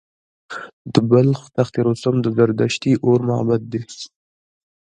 د بلخ تخت رستم د زردشتي اور معبد دی